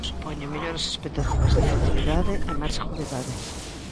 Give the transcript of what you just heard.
Supoñen mellores expectativas de efectividade e máis seguridade.